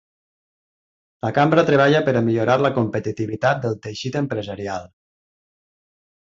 La cambra treballa per millorar la competitivitat del teixit empresarial.